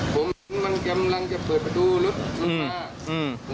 ผมมันกำลังจะเปิดประตูรถลงมา